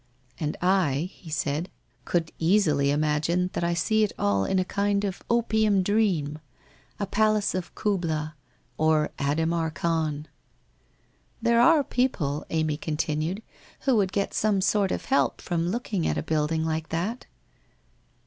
' And I,' he said, ' could easily imagine that I see it all in a kind of opium dream, a palace of Kubla, or Adhemar Khan/ 'There are people/ Amy continued, 'who would get some sort of help from looking at a building like that